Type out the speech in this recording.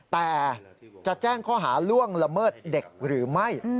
แต่จะแจ้งข้อหาล่วงละเมิดเด็กหรือไม่